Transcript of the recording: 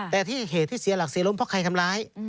แต่ที่เหตุที่เสียหลักเสียล้มเพราะใครทำร้าย